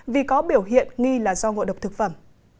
vì có biểu hiện nghi là do ngộ độc thực phẩm